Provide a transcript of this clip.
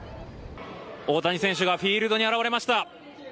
大谷選手がフィールドに現れました。